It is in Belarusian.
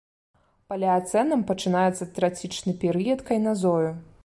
Палеацэнам пачынаецца трацічны перыяд кайназою.